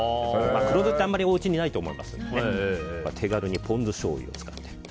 黒酢ってあんまりおうちにないと思いますので手軽にポン酢しょうゆを使って。